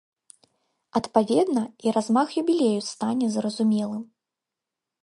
Адпаведна, і размах юбілею стане зразумелым.